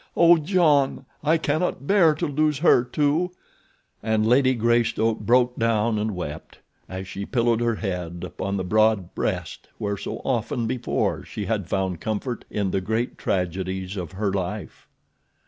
Oh, John, I cannot bear to lose her, too!" And Lady Greystoke broke down and wept, as she pillowed her head upon the broad breast where so often before she had found comfort in the great tragedies of her life.